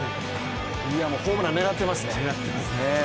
ホームラン狙ってますね。